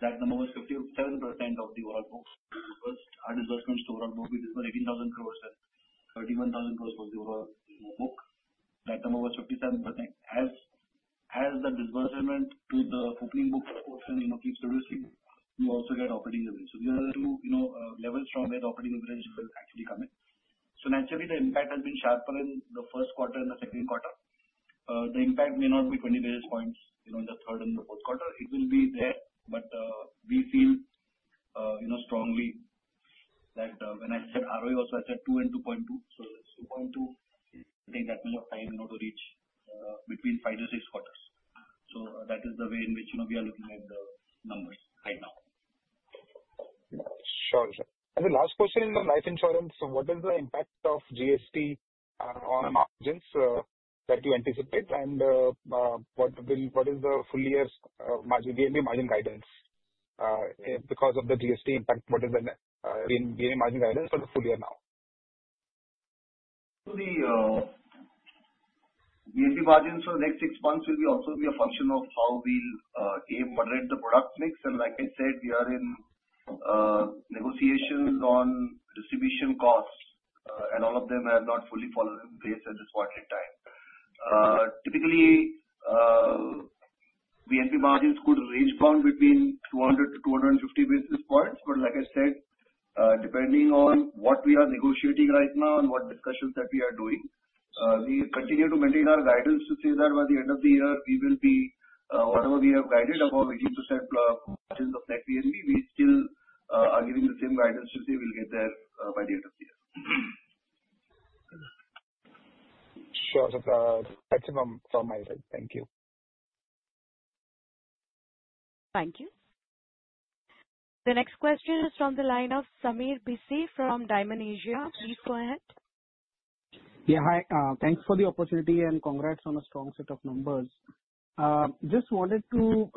that number was 57% of the overall book. Our disbursement to overall book, which was 18,000 crores and 31,000 crores was the overall book. That number was 57%. As the disbursement to the opening book portion keeps reducing, we also get operating leverage. These are the two levels from where the operating leverage will actually come in. So naturally, the impact has been sharper in the Q1 and the Q2. The impact may not be 20 basis points in the third and the Q4. It will be there, but we feel strongly that when I said ROA, also I said 2 and 2.2. So 2.2, I think that will have time to reach between 5 to 6 quarters. So that is the way in which we are looking at the numbers right now. Sure. And the last question is on life insurance. What is the impact of GST on margins that you anticipate, and what is the full year's VNB margin guidance? Because of the GST impact, what is the VNB margin guidance for the full year now? The NBFC margins for the next six months will also be a function of how we'll aim to moderate the product mix. And like I said, we are in negotiations on distribution costs, and all of them have not fully fallen in place at this point in time. Typically, NBFC margins could range bound between 200-250 basis points. But like I said, depending on what we are negotiating right now and what discussions that we are doing, we continue to maintain our guidance to say that by the end of the year, we will be whatever we have guided about 18% margins of net NBFC. We still are giving the same guidance to say we'll get there by the end of the year. Sure. That's it from my side. Thank you. Thank you. The next question is from the line of Sameer Bhise from Dymon Asia Capital. Please go ahead. Yeah. Hi. Thanks for the opportunity and congrats on a strong set of numbers. Just wanted to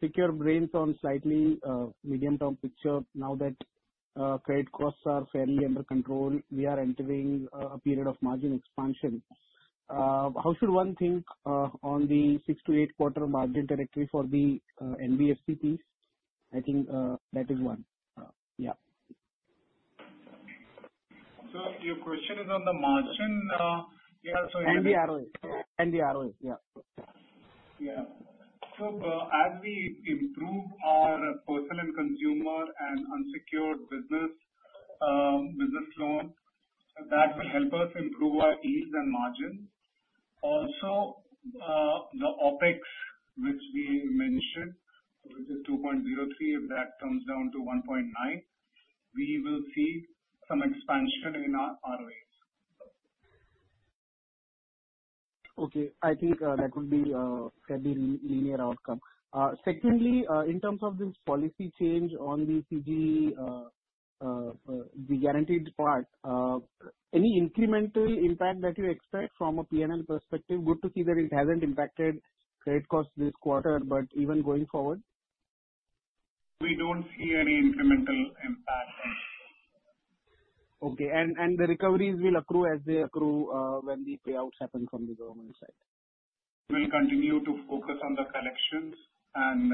pick your brains on slightly medium-term picture. Now that credit costs are fairly under control, we are entering a period of margin expansion. How should one think on the six- to eight-quarter margin trajectory for the NBFC piece? I think that is one. Yeah. So your question is on the margin? Yeah. So. And the ROA. And the ROA. Yeah. As we improve our personal and consumer and unsecured business loan, that will help us improve our yields and margins. Also, the OpEx, which we mentioned, which is 2.03, if that comes down to 1.9, we will see some expansion in our ROAs. Okay. I think that would be a fairly linear outcome. Secondly, in terms of this policy change on the CG, the guaranteed part, any incremental impact that you expect from a P&L perspective? Good to see that it hasn't impacted credit costs this quarter, but even going forward? We don't see any incremental impact. Okay. And the recoveries will accrue as they accrue when the payouts happen from the government side? We'll continue to focus on the collections and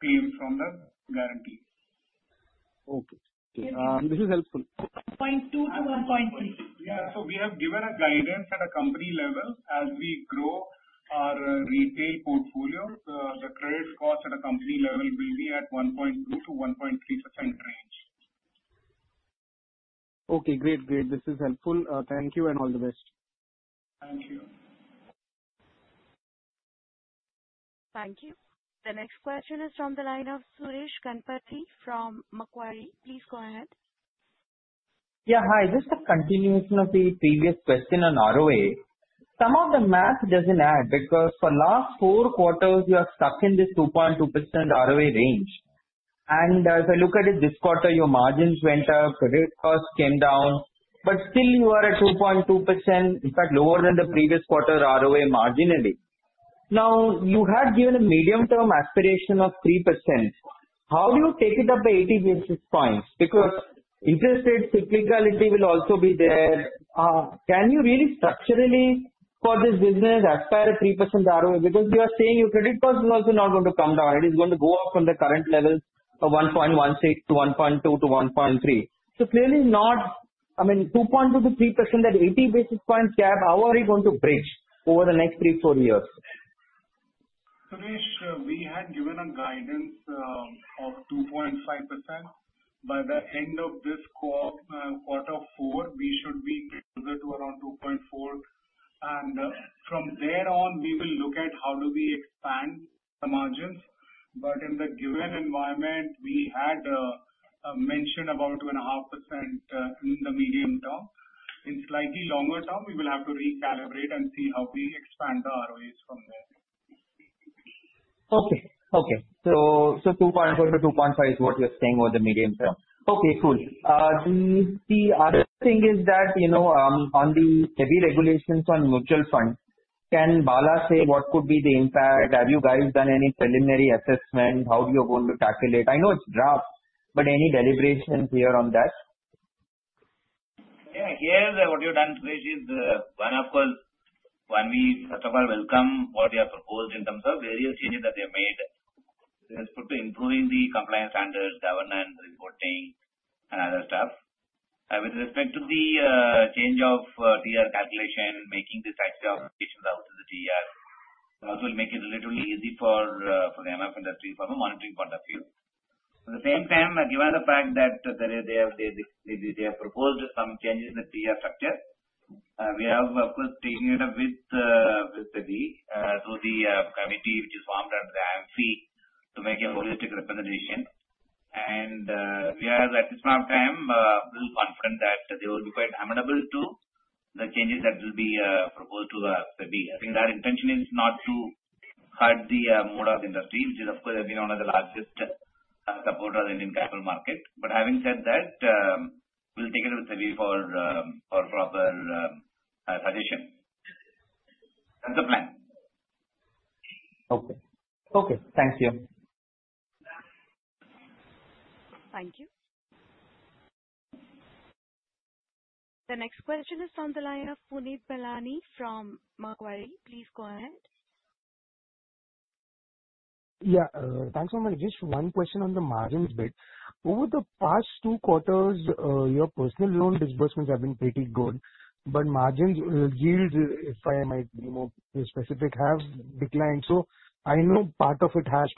claims from the guarantee. Okay. This is helpful. 1.2 to 1.3. Yeah. So we have given a guidance at a company level. As we grow our retail portfolio, the credit costs at a company level will be at 1.2%-1.3% range. Okay. Great. Great. This is helpful. Thank you and all the best. Thank you. Thank you. The next question is from the line of Suresh Ganapathy from Macquarie. Please go ahead. Yeah. Hi. Just a continuation of the previous question on ROA. Some of the math doesn't add because for the last four quarters, you are stuck in this 2.2% ROA range, and if I look at it this quarter, your margins went up, credit costs came down, but still you are at 2.2%, in fact, lower than the previous quarter ROA marginally. Now, you had given a medium-term aspiration of 3%. How do you take it up by 80 basis points? Because interest rate cyclicality will also be there. Can you really structurally for this business aspire a 3% ROA? Because you are saying your credit costs are also not going to come down. It is going to go up from the current level of 1.16 to 1.2 to 1.3. So clearly not, I mean, 2.2%-3%, that 80 basis points gap, how are you going to bridge over the next three, four years? Suresh, we had given a guidance of 2.5%. By the end of this Q4, we should be closer to around 2.4, and from there on, we will look at how do we expand the margins, but in the given environment, we had mentioned about 2.5% in the medium term. In slightly longer term, we will have to recalibrate and see how we expand the ROAs from there. Okay. Okay. So 2.4-2.5 is what you're saying over the medium term. Okay. Cool. The other thing is that on the heavy regulations on mutual funds, can Bala say what could be the impact? Have you guys done any preliminary assessment? How do you want to calculate? I know it's dropped, but any deliberations here on that? Yeah. Here's what you've done, Suresh, is one, of course, when we first of all welcome what you have proposed in terms of various changes that they've made. It has put to improving the compliance standards, governance, reporting, and other stuff. With respect to the change of TER calculation, making these types of applications out to the TER, that will make it a little easy for the MF industry from a monitoring point of view. At the same time, given the fact that they have proposed some changes in the TER structure, we have, of course, taken it up with the committee which is formed under the IMC to make a holistic representation, and we are, at this point of time, a little confident that they will be quite amenable to the changes that will be proposed to the SEBI. I think their intention is not to hurt the mutual fund industry, which, of course, has been one of the largest supporters of the Indian capital market. But having said that, we'll take it up with SEBI for proper suggestion. That's the plan. Okay. Okay. Thank you. Thank you. The next question is from the line of Punit Bahlani with Macquarie from Macquarie. Please go ahead. Yeah. Thanks so much. Just one question on the margins bit. Over the past two quarters, your personal loan disbursements have been pretty good, but margins, yields, if I might be more specific, have declined. So I know part of it has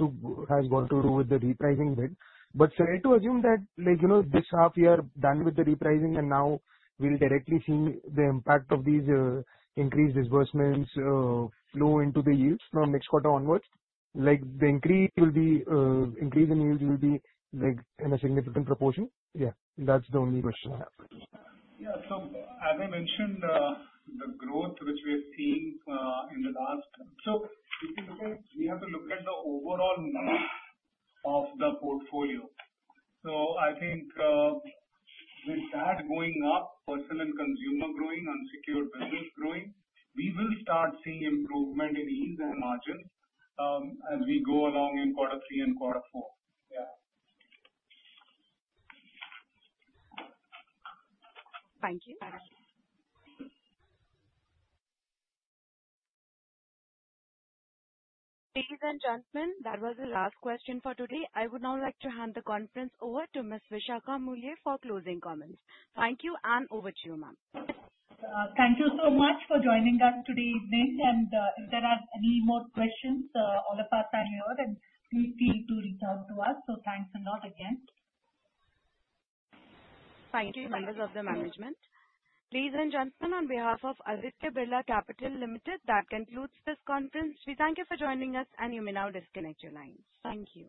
got to do with the repricing bit. But fair to assume that this half year done with the repricing, and now we'll directly see the impact of these increased disbursements flow into the yields from next quarter onwards. The increase in yields will be in a significant proportion? Yeah. That's the only question I have. Yeah. So as I mentioned, the growth which we have seen in the last, so we have to look at the overall margin of the portfolio. So I think with that going up, personal and consumer growing, unsecured business growing, we will start seeing improvement in yields and margins as we go along in Q3 and Q4. Yeah. Thank you. Ladies and gentlemen, that was the last question for today. I would now like to hand the conference over to Ms. Vishakha Mulye for closing comments. Thank you, and over to you, ma'am. Thank you so much for joining us today evening. And if there are any more questions, all of us are here, and feel free to reach out to us. So thanks a lot again. Thank you, members of the management. Ladies and gentlemen, on behalf of Aditya Birla Capital Limited, that concludes this Conference. We thank you for joining us, and you may now disconnect your lines. Thank you.